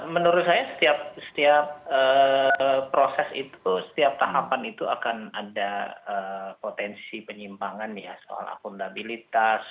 menurut saya setiap proses itu setiap tahapan itu akan ada potensi penyimpangan ya soal akuntabilitas